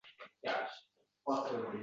U qishloqding oldi qizlaridan bo‘lg‘an